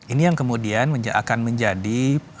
ini yang kemudian akan menjadi